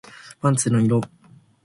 パンツの色